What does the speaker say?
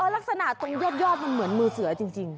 ลักษณะตรงยอดมันเหมือนมือเสือจริง